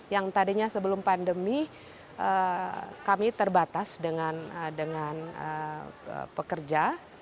maksudnya sebelum pandemi kami terbatas dengan pekerja